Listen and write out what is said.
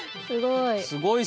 すごい。